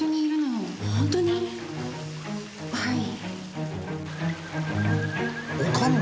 はい。